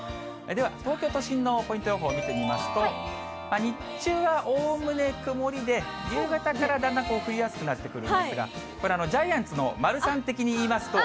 では、東京都心のポイント予報見てみますと、日中はおおむね曇りで、夕方からだんだん降りやすくなってくるんですが、これ、ジャイアンツの丸さん的に言いますと。